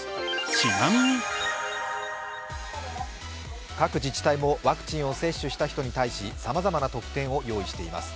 ちなみに、各自治体もワクチンを接種した人に対しさまざまな特典を用意しています。